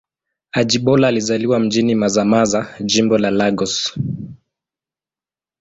Ajibola alizaliwa mjini Mazamaza, Jimbo la Lagos.